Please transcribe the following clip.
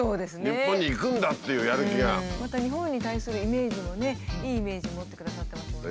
また日本に対するイメージもねいいイメージを持ってくださってますもんね。